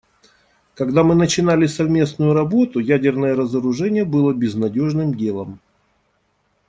Когда мы начинали совместную работу, ядерное разоружение было безнадежным делом.